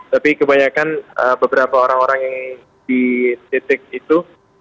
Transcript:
tapi kebanyakan beberapa orang orang yang dititik itu